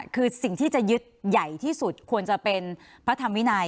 คือสิ่งที่จะยึดใหญ่ที่สุดควรจะเป็นพระธรรมวินัย